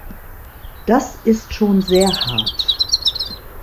Das ist schon sehr hart!